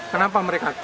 belum tahu juga